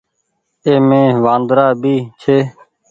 اي مي وآندرآ ڀي ڇي۔